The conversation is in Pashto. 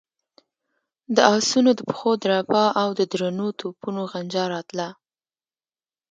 د آسونو د پښو دربا او د درنو توپونو غنجا راتله.